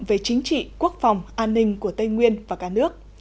về chính trị quốc phòng an ninh của tây nguyên và cả nước